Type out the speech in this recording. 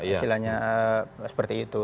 istilahnya seperti itu